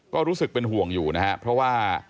ก็รู้สึกเป็นห่วงอยู่นะครับเพราะว่า